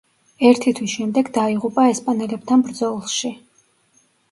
ერთი თვის შემდეგ დაიღუპა ესპანელებთან ბრძოლში.